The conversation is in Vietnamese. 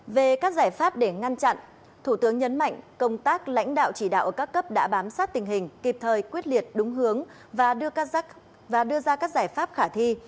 về các giải pháp để ngăn chặn thủ tướng nhấn mạnh công tác lãnh đạo chỉ đạo ở các cấp đã bám sát tình hình kịp thời quyết liệt đúng hướng và đưa và đưa ra các giải pháp khả thi